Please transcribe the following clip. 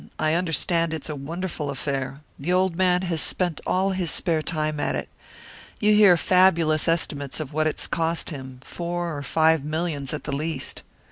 I understand it's a wonderful affair, the old man has spent all his spare time at it. You hear fabulous estimates of what it's cost him four or five millions at the least."